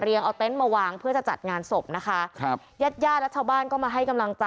เหรียงเอาเต็นต์มาวางเพื่อจะจัดงานศพนะคะ